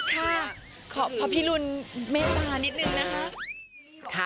ค่ะขอพระพิรุณเมตตานิดนึงนะคะ